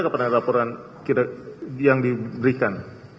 kepada laporan yang diberikan